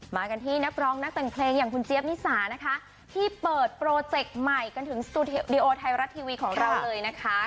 มากันที่นักร้องนักแต่งเพลงอย่างคุณเจี๊ยบนิสานะคะที่เปิดโปรเจกต์ใหม่กันถึงสตูดิโอไทยรัฐทีวีของเราเลยนะคะ